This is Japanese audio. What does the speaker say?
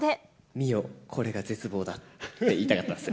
見よ、これが絶望だって言いたかったんです。